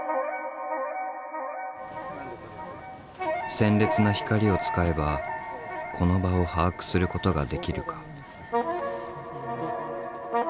鮮烈な光を使えばこの場を把握することができるか。